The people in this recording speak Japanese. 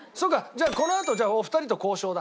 じゃあこのあとお二人と交渉だ。